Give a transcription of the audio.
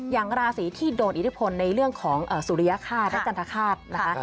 อย่างราศีที่โดนอิทธิพลในเรื่องของสุริยฆาตและจันทคาตนะคะ